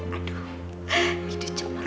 aduh hidup comel